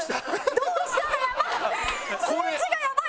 「どうした？」がやばい！